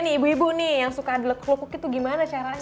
ibu ibu nih yang suka adil kluk kluk itu gimana caranya tuh